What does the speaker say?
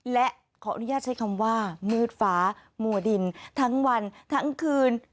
และขออนุญาตใช้คำว่ามืดฟ้ามัวดินทั้งวันทั้งคืน